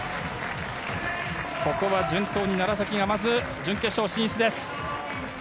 ここは順当に楢崎が順当に準決勝進出です。